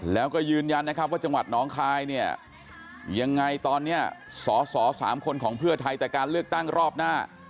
แล้วก็ยืนยันนะครับว่าจังหวัดน้องคายเนี่ยยังไงตอนนี้สอสอ๓คนของเพื่อไทยแต่การเลือกตั้งรอบหน้า